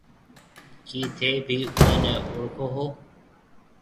ڪِي ٿَي ڀِي اُوئي نَي اوݪکون هون؟